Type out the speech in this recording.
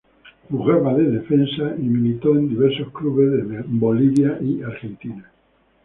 Jugaba de defensa y militó en diversos clubes de Bolivia y Argentina.